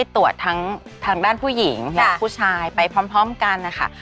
ทั้งด้านผู้หญิงผู้ชายไปพร้อมกันค่ะ